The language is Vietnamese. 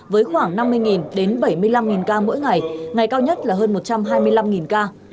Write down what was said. với khoảng năm mươi đến bảy mươi năm ca mỗi ngày ngày cao nhất là hơn một trăm hai mươi năm ca